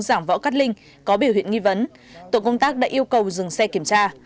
giảng võ cát linh có biểu hiện nghi vấn tổ công tác đã yêu cầu dừng xe kiểm tra